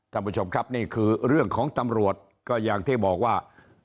ท่านผู้ชมครับนี่คือเรื่องของตำรวจก็อย่างที่บอกว่า